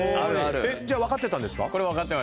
じゃあ分かってたんですか？